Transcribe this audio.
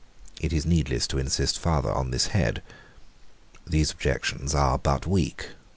It is needless to insist farther on this head. These objections are but weak.